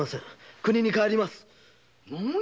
故郷に帰ります。